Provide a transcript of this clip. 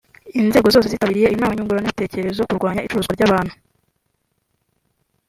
Inzego zose zitabiriye iyo nama nyungurana bitekerezo ku kurwanya icuruzwa ry’abantu